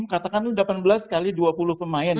katakan itu delapan belas x dua puluh pemain